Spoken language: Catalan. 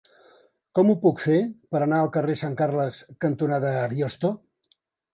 Com ho puc fer per anar al carrer Sant Carles cantonada Ariosto?